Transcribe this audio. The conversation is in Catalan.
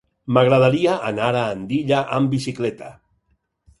M'agradaria anar a Andilla amb bicicleta.